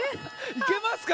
いけますか？